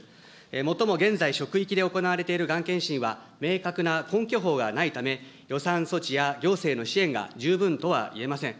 最も現在、職域で行われているがん検診は明確な根拠法がないため、予算措置や行政の支援が十分とは言えません。